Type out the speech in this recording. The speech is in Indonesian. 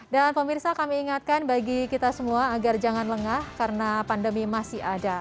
dan pemirsa kami ingatkan bagi kita semua agar jangan lengah karena pandemi masih ada